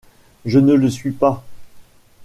Je ne le suis pas.